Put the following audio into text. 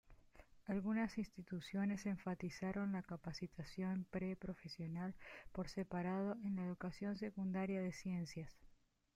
Algunas instituciones enfatizaron la capacitación pre-profesional por separado en la educación secundaria de ciencias.